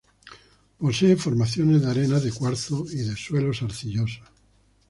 Posee formaciones de arenas de cuarzo y de suelos arcillosos.